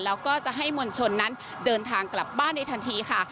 แล้วก็จะให้มวลชนนั้นเดินทางกลับบ้านในทันทีค่ะ